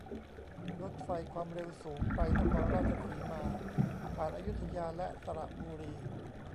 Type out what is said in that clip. รถไฟความเร็วสูงไปนครราชสีมา ผ่านอยุธยาและสระบุรี